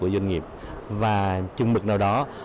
doanh nghiệp và chương mực nào đó